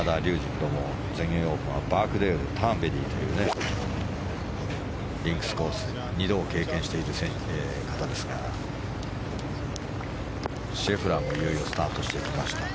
プロも全英オープンはバークデール、ターンベリーとリンクスコースを２度も経験している方ですがシェフラーも、いよいよスタートしていきました。